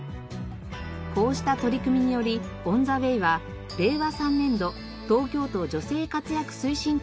こうした取り組みによりオンザウェイは令和３年度東京都女性活躍推進